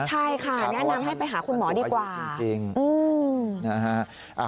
ใช่ค่ะแนะนำให้ไปหาคุณหมอดีกว่า